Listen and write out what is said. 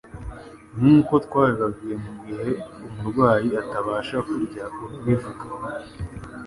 Nkuko twabibabwiye mu gihe umurwayi atabasha kurya urabivuga